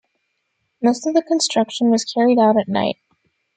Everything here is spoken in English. Most of the construction was carried out at night.